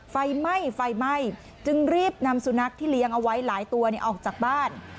ไฟไหม้ไฟไหม้จึงรีบนำสุนัขที่เลี้ยงเอาไว้หลายตัวออกจากบ้าน